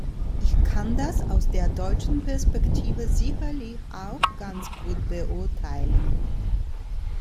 Ich kann das aus der deutschen Perspektive sicherlich auch ganz gut beurteilen.